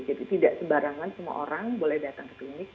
jadi tidak sebarangan semua orang boleh datang ke klinik